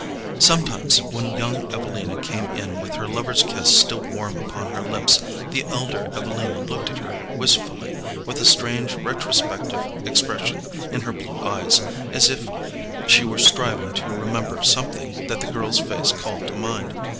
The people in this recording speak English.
Sometimes when young Evelina came in with her lover's kiss still warm upon her lips the elder Evelina looked at her wistfully, with a strange retrospective expression in her blue eyes, as if she were striving to remember something that the girl's face called to mind.